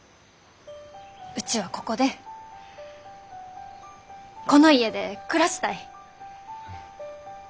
うちはここでこの家で暮らしたい。